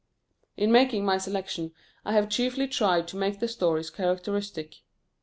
In making my selection I have chiefly tried to make the stories characteristic.